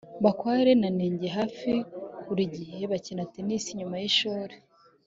bakware na nenge hafi buri gihe bakina tennis nyuma yishuri